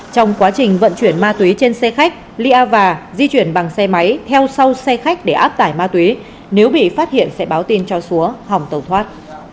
trong quá trình vận chuyển ma túy trên xe khách lia và di chuyển bằng xe máy theo sau xe khách để áp tải ma túy nếu bị phát hiện sẽ báo tin cho xúa hòng tàu thoát